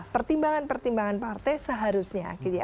pertimbangan pertimbangan partai seharusnya